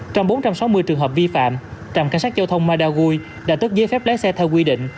trong bốn trăm sáu mươi trường hợp vi phạm trạm cảnh sát giao thông madagui đã tước giấy phép lái xe theo quy định